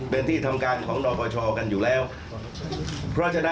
ปฏิตามภาพบังชั่วมังตอนของเหตุการณ์ที่เกิดขึ้นในวันนี้พร้อมกันครับ